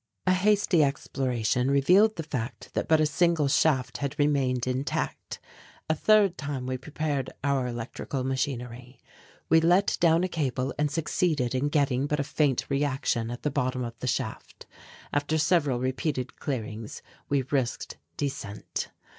A hasty exploration revealed the fact that but a single shaft had remained intact. A third time we prepared our electrical machinery. We let down a cable and succeeded in getting but a faint reaction at the bottom of the shaft. After several repeated clearings we risked descent.